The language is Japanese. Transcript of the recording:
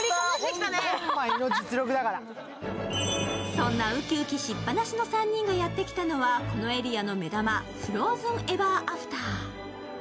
そんなウキウキしっぱなしの３人がやってきたのはこのエリアの目玉、「フローズン・エバー・アフター」。